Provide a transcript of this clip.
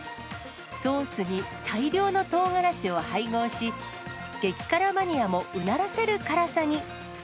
ソースに大量のとうがらしを配合し、激辛マニアもうならせる辛さに。